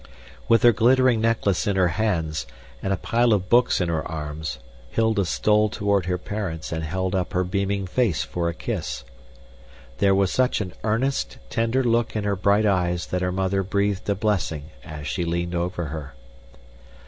With her glittering necklace in her hands, and a pile of books in her arms, Hilda stole towards her parents and held up her beaming face for a kiss. There was such an earnest, tender look in her bright eyes that her mother breathed a blessing as she leaned over her.